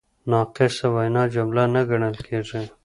ناقصه وینا جمله نه ګڼل کیږي.